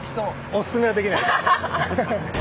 おすすめはできないです。